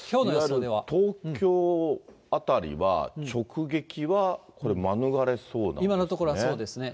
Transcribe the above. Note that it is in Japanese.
東京辺りは直撃はこれ、今のところはそうですね。